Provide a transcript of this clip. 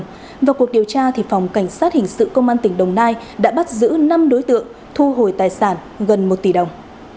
trong cuộc điều tra thì phòng cảnh sát hình sự công an tỉnh đồng nai đã bắt giữ năm đối tượng thu hồi tài sản gần một tỷ đồng